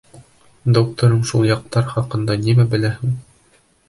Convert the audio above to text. Докторың шул яҡтар хаҡында нимә белә һуң?